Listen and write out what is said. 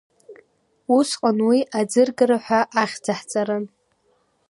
Усҟан уи аӡыргара ҳәагьы ахьӡаҳҵарын.